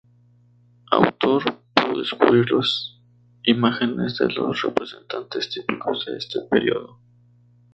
Autor pudo descubrir los imágenes de los representantes típicos de este período.